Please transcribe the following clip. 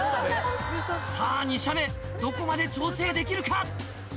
さあ、２射目、どこまで調整できるか？